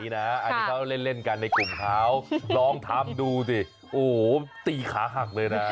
เล่นกันในกลุ่มเท้าร้องทำดูดิโหตีขาหักเลยน้า